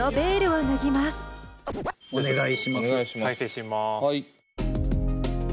はい。